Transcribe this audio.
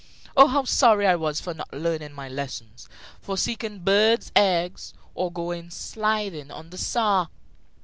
Oh, how sorry I was for not learning my lessons, for seeking birds' eggs, or going sliding on the Saar!